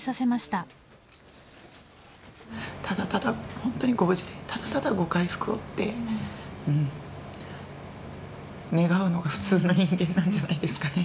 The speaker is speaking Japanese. ただただ本当にご無事でただただご回復をって願うのが普通の人間なんじゃないですかね。